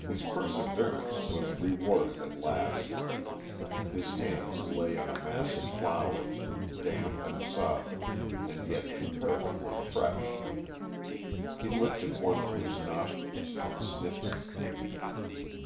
His perseverance was rewarded at last. His hands lay on a mass of flowers, damp and sodden and yet comparatively fresh. He lifted one to his nostrils and sniffed it.